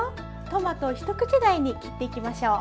トマトを一口大に切っていきましょう。